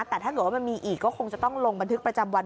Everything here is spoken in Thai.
แต่ถ้าเกิดว่ามันมีอีกก็คงจะต้องลงบันทึกประจำวัน